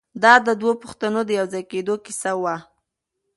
دا د دوو پښتنو د یو ځای کېدو کیسه وه.